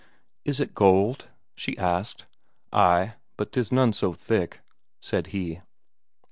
"Is it gold?" she asked. "Ay, but 'tis none so thick," said he.